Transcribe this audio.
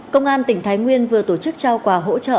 công an tỉnh thái nguyên vừa tổ chức trao quà hỗ trợ